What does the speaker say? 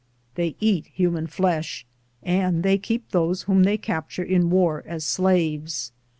They eat human flesh, and they keep those whom they capture in war as slaves.